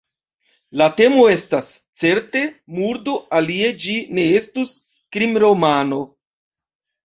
La temo estas, certe, murdo – alie ĝi ne estus krimromano.